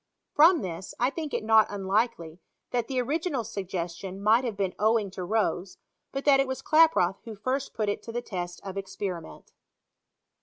From this, 1 think it not unlikely that the original suggestion might have been owing to Rose, hat that it was Klaproth who first put it to the test of experiment.